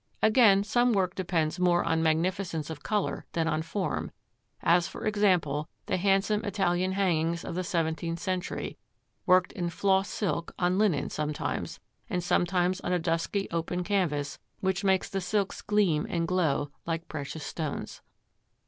Again, some work depends more on magnificence of colour than on form, as, for example, the handsome Italian hangings of the seventeenth century, worked in floss silk, on linen sometimes, and sometimes on a dusky open canvas which makes the silks gleam and glow like precious stones.